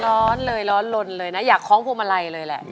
ร้องได้หรือว่าร้องผิดครับ